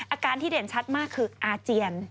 อาการที่เด่นชัดมากคืออาเจียน